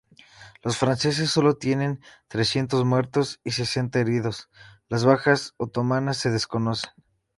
Los franceses solo tienen trescientos muertos y sesenta heridos; las bajas otomanas se desconocen.